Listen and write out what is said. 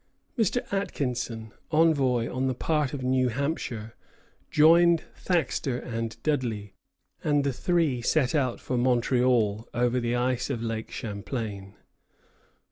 Mr. Atkinson, envoy on the part of New Hampshire, joined Thaxter and Dudley, and the three set out for Montreal, over the ice of Lake Champlain.